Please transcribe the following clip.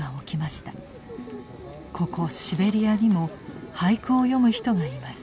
ここシベリアにも俳句を詠む人がいます。